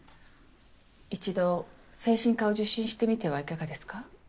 一度精神科を受診してみてはいかがですか？